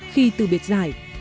khi từ biệt giải